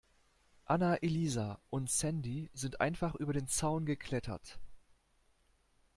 Anna-Elisa und Sandy sind einfach über den Zaun geklettert.